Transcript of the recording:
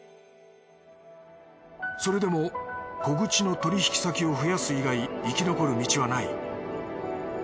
それでも小口の取引先を増やす以外生き残る道はない。